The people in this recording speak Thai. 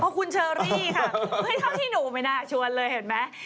เพราะคุณเชอรี่ค่ะเข้าขี้หนูไม่น่าชวนเลยเห็นไหม